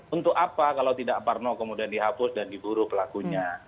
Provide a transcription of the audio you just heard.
untuk apa kalau tidak parno kemudian dihapus dan diburu pelakunya